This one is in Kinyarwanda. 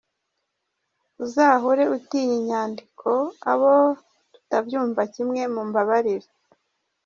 Uzahore utinya inyandiko, abo tutabyumva kimwe mumbabarire.